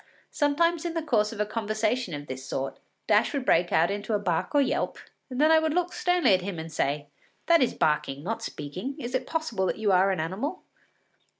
Sometimes in the course of a conversation of this sort, Dash would break out into a bark or a yelp, and then I would look sternly at him and say: “That is barking, not speaking. Is it possible that you are an animal?